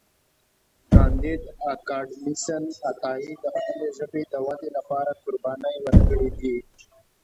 کانديد اکاډميسن عطایي د خپلې ژبې د ودې لپاره قربانۍ ورکړې دي.